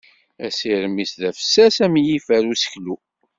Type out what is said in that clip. Asirem-is d afessas am yifer n useklu.